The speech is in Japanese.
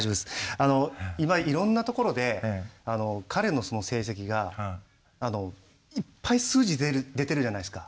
あの今いろんなところで彼の成績がいっぱい数字出てるじゃないですか。